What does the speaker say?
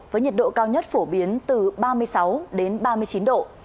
với nhiệt độ cao nhất phổ biến từ ba mươi sáu đến ba mươi chín độ